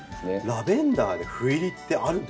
ラベンダーで斑入りってあるんですか？